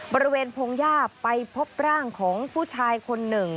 บริเวณพงหญ้าไปพบร่างของผู้ชายคนหนึ่ง